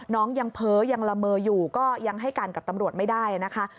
น้องยังเพ้อยังละเมออยู่ก็ยังให้การกับตำรวจไม่ได้นะคะ